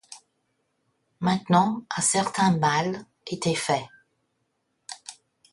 Maintenant un certain mal était fait.